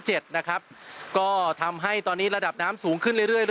เจ็ดนะครับก็ทำให้ตอนนี้ระดับน้ำสูงขึ้นเรื่อย